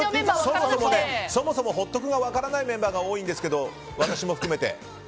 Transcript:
そもそもホットクが分からないメンバーが多いんですけど私も含めて。